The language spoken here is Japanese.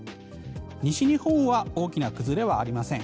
西日本は大きな崩れはありません。